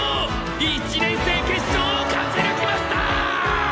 １年生決勝を勝ち抜きました！